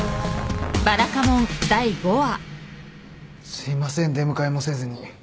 すいません出迎えもせずに。